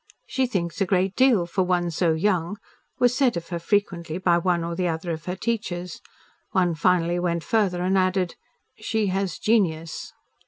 "She thinks a great deal for one so young," was said of her frequently by one or the other of her teachers. One finally went further and added, "She has genius."